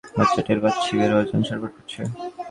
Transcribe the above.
বাচ্চা টের পাচ্ছি, বের হওয়ার জন্য ছটফট করছে।